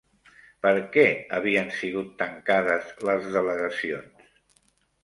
Per què havien sigut tancades les delegacions?